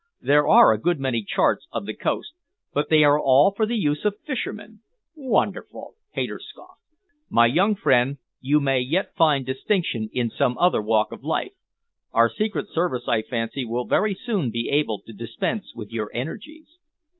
There are a good many charts of the coast, but they are all for the use of the fishermen." "Wonderful!" Hayter scoffed. "My young friend, you may yet find distinction in some other walk of life. Our secret service, I fancy, will very soon be able to dispense with your energies."